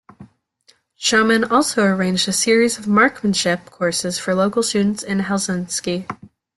Schauman also arranged a series of marksmanship courses for local students in Helsinki.